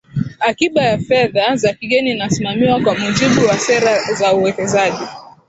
akiba ya fedha za kigeni inasimamiwa kwa mujibu wa sera za uwekezaji